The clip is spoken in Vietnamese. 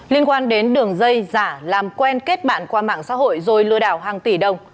liên quan đến đường dây giả làm quen kết bạn qua mạng xã hội rồi lừa đảo hàng tỷ đồng